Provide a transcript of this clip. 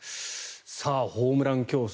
さあ、ホームラン競争